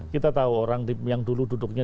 kita tahu orang yang dulu duduknya